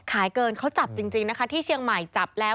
ขายเกินเขาจับจริงนะคะที่เชียงใหม่จับแล้ว